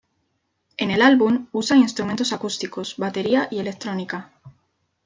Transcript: En el álbum, usa instrumentos acústicos, batería y electrónica.